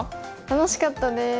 楽しかったです。